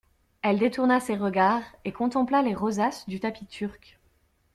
Elle détourna ses regards et contempla les rosaces du tapis turc.